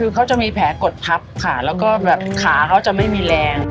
คือเขาจะมีแผลกดทับค่ะแล้วก็แบบขาเขาจะไม่มีแรง